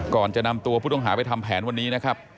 ก่อนจะนำตัวผู้ต้องหาไปทำแผนวันนี้นะครับ